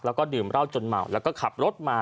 แล้วก็ดื่มเหล้าจนเมาแล้วก็ขับรถมา